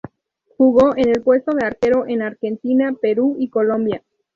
Jugó en el puesto de arquero en Argentina, Perú y Colombia.